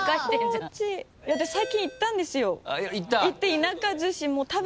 私最近行ったんですよ。